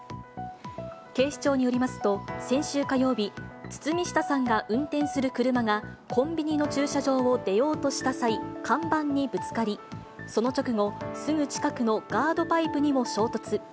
警視庁によりますと、先週火曜日、堤下さんが運転する車がコンビニの駐車場を出ようとした際、看板にぶつかり、その直後、すぐ近くのガードパイプにも衝突。